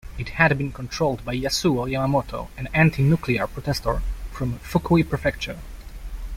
It had been controlled by Yasuo Yamamoto, an anti-nuclear protestor from Fukui Prefecture.